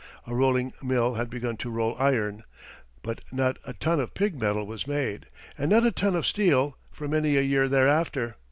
A rolling mill had begun to roll iron; but not a ton of pig metal was made, and not a ton of steel for many a year thereafter.